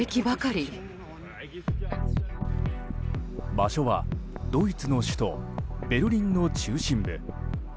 場所はドイツの首都ベルリンの中心部。